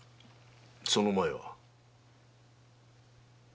その前は？